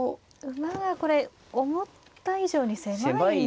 馬がこれ思った以上に狭いんですね。